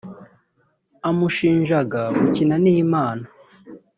amushinjaga gukina n’Imana